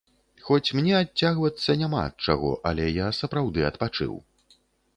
Хоць мне адцягвацца няма ад чаго, але я сапраўды адпачыў.